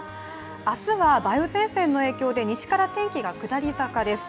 明日は梅雨前線の影響で西から天気が下り坂です。